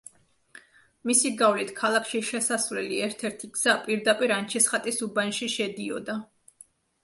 მისი გავლით ქალაქში შესასვლელი ერთ-ერთი გზა პირდაპირ ანჩისხატის უბანში შედიოდა.